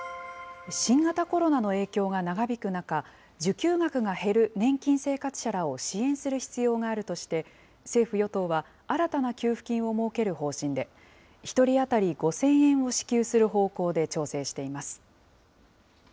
新型コロナの影響が長引く中、受給額が減る年金生活者らを支援する必要があるとして、政府・与党は、新たな給付金を設ける方針で、１人当たり５０００円を支給する方向で調整しています。